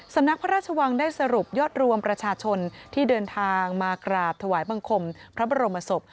สำนักพระราชวังได้สรุปยอดรวมประชาชนที่เดินทางมากราบถวายบังคมพระบรมศพ